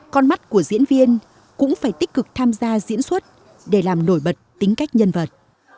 con mắt của diễn viên cũng phải tích cực tham gia diễn xuất để làm nổi bật tính cách nhân vật